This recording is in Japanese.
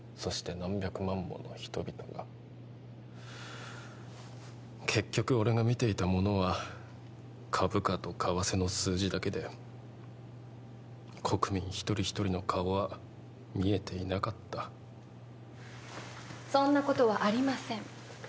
何百万もの人々が結局俺が見ていたものは株価と為替の数字だけで国民一人一人の顔は見えていなかったそんなことはありません